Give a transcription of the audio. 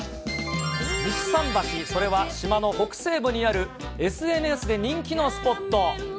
西桟橋、それは島の北西部にあるＳＮＳで人気のスポット。